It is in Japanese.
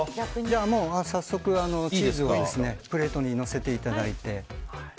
早速、チーズをプレートにのせていただいて。